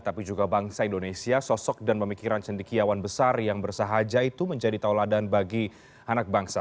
tapi juga bangsa indonesia sosok dan pemikiran cendikiawan besar yang bersahaja itu menjadi tauladan bagi anak bangsa